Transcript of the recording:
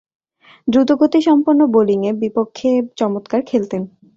দ্রুতগতিসম্পন্ন বোলিংয়ের বিপক্ষে চমৎকার খেলতেন।